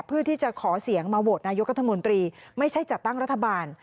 เพื่อที่จะขอเสียงมาโหวตนายกรัฐมนตรีไม่ใช่จัดตั้งรัฐบาล